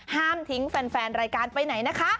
ห้ามทิ้งแฟนรายการไปไหนนะคะ